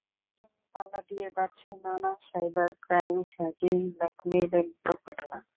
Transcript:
সেই সঙ্গে পাল্লা দিয়ে বাড়ছে নানা সাইবার ক্রাইম, হ্যাকিং, ব্ল্যাকমেলের মতো ঘটনা।